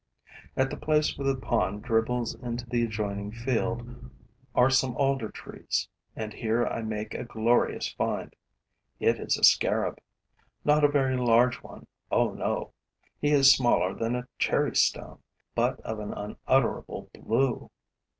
At the place where the pond dribbles into the adjoining field are some alder trees; and here I make a glorious find. It is a scarab not a very large one, oh no! He is smaller than a cherry stone, but of an unutterable blue.